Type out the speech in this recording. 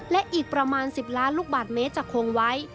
และอีกประมาณ๑๐ล้านลูกบาทเมตรจะคงไว้